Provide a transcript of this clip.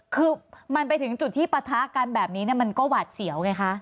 คือมันไปถึงจุดที่ปะทะกันแบบนี้มันก็หวาดเสียวไงคะ